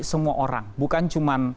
semua orang bukan cuman